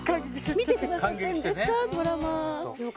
見てくださってるんですか？